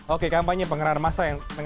oke kampanye pengerahan masa yang